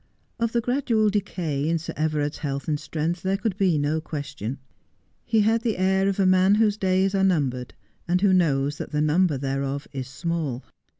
Of the gradual decay in Sir Everard's health and strength there could be no question. He had the air of a man whose days are numbered, and who knows that the number thereof is small.